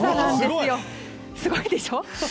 すごいでしょ。